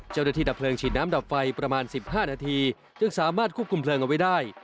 เจ้าหน้าที่ดับเพลิงฉีดน้ำดับไฟประมาณสิบห้านาทีจึงสามารถคุบกลุ่มเพลิงเอาไว้ได้